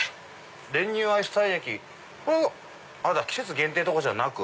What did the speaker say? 練乳アイスたいやき季節限定とかじゃなく？